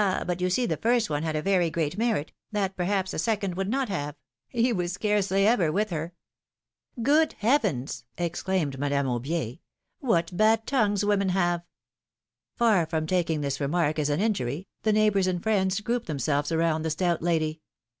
but you see the first one had a very great merit, that perhaps the second would not have : he was scarcely ever with her !" Good heavens !" exclaimed Madame Aubier, what bad tongues women have !" Far from taking this remark as an injury, the neighbors and friends grouped themselves around the stout lady.